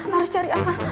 harus cari akal